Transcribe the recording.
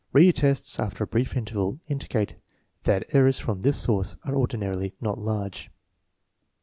Re tests after a brief interval indicate that errors from this source are ordinarily not large.